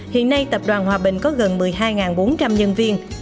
hiện nay tập đoàn hòa bình có gần một mươi hai bốn trăm linh nhân viên